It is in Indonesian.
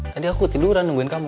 tadi aku tiduran nungguin kamu